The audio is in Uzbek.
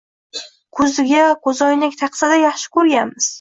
Koʻziga koʻzoynak taqsa-da, yaxshi koʻrganmiz.